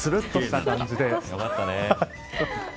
よかったね。